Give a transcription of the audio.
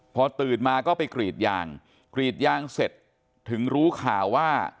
พอตื่นมาก็ไปกรีดยางกรีดยางเสร็จถึงรู้ข่าวว่า